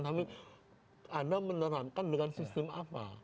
tapi anda menerapkan dengan sistem apa